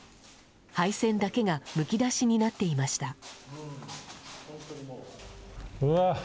配線だけが剥き出しになっていました。